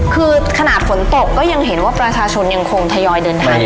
คือขนาดฝนตกก็ยังเห็นว่าประชาชนยังคงทยอยเดินทาง